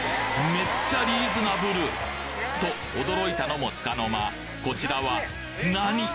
めっちゃリーズナブル！と驚いたのも束の間こちらは何っ！？